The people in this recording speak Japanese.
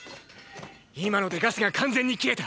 今のでガスが完全に切れた。